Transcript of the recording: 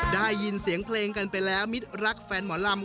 ได้ยินเสียงเพลงกันไปแล้วมิดรักแฟนหมอลำ